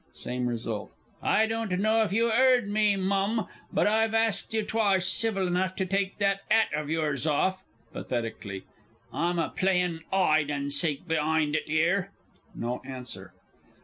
(Same result.) I don't know if you 'eard me, Mum, but I've asked you twice, civil enough, to take that 'at of yours off (pathetically). I'm a playin' 'Ide and Seek be'ind it 'ere! [_No answer.